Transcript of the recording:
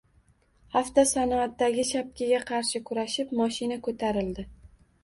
Avtosanoatdagi “shapkaga qarshi kurashib” moshina koʻtarildi.